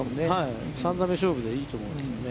３打目勝負でいいと思うんですね。